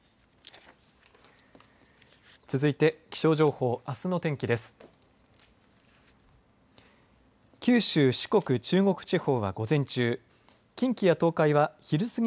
続いて、気象情報あすの天気です。